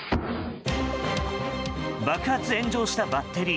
爆発・炎上したバッテリー。